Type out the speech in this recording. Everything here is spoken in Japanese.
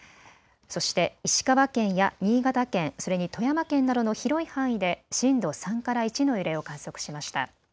そして石川県や新潟県、それに富山県などの広い範囲で震度３から１の揺れを観測しました。